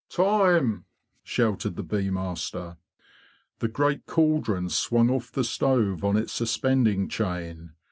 "Time! "' shouted the bee master. The great caldron swung off the stove on its sus pending chain.